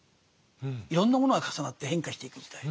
いろんなものが重なって変化していく時代。